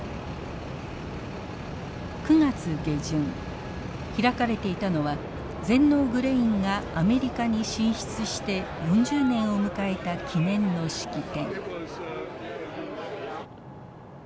９月下旬開かれていたのは全農グレインがアメリカに進出して４０年を迎えた記念の式典。